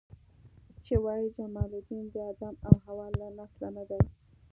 چې وایي جمال الدین د آدم او حوا له نسله نه دی.